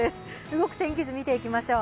動く天気図見ていきましょう。